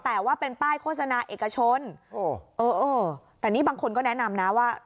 แต่ว่าเป็นป้ายโฆษณาเอกชนเออเออแต่นี่บางคนก็แนะนำนะว่า